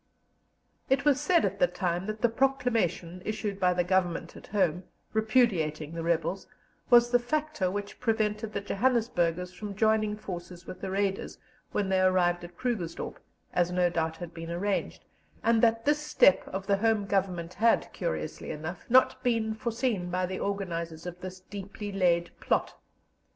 It was said at the time that the proclamation issued by the Government at home, repudiating the rebels, was the factor which prevented the Johannesburgers from joining forces with the Raiders when they arrived at Krugersdorp, as no doubt had been arranged, and that this step of the Home Government had, curiously enough, not been foreseen by the organizers of this deeply laid plot.